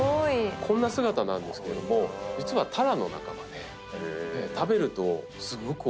こんな姿なんですけども実はタラの仲間で食べるとすごくおいしいんですね。